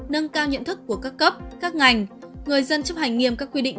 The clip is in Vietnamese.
nâng cao nhận thức của các cấp các ngành người dân chấp hành nghiêm các quy định